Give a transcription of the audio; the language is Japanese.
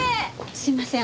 すいません